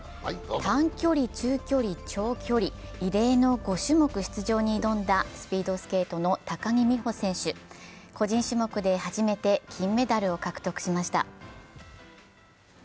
短距離、中距離、長距離、異例の５種目出場に挑んだスピードスケートの高木美帆選手、個人種目で初めて金メダルを獲得しました。